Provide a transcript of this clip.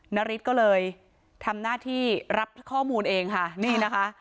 นาริสก็เลยทำหน้าที่รับข้อมูลเองค่ะนี่นะคะ